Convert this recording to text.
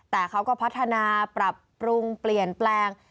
แต่เขาก็พัฒนาปรับปรุงเปลี่ยนแปลง